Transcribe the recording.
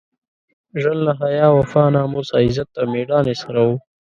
ژوند له حیا، وفا، ناموس، عزت او مېړانې سره وو.